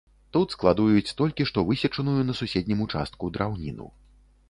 Тут складуюць толькі што высечаную на суседнім участку драўніну.